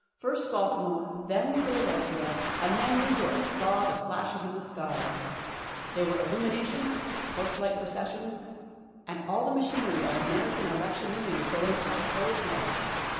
First Baltimore, then Philadelphia, and then New York saw the flashes in the sky. There were illuminations, torchlight processions, and all the machinery of American electioneering going at full blast.